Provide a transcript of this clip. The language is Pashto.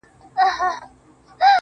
په سپوږمۍ كي زمـــا ژوندون دى.